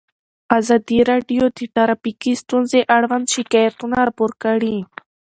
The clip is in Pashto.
ازادي راډیو د ټرافیکي ستونزې اړوند شکایتونه راپور کړي.